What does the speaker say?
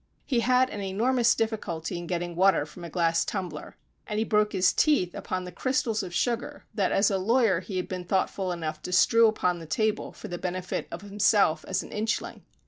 He had an enormous difficulty in getting water from a glass tumbler, and he broke his teeth upon the crystals of sugar that, as a lawyer, he had been thoughtful enough to strew upon the table for the benefit of himself as an Inchling.